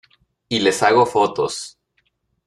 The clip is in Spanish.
y les hago fotos.